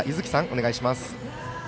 お願いします。